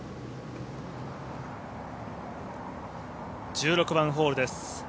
１６番ホールです。